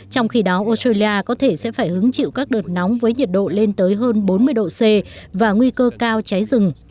trong khi đó australia có thể sẽ phải hứng chịu các đợt nóng với nhiệt độ lên tới hơn bốn mươi độ c và nguy cơ cao cháy rừng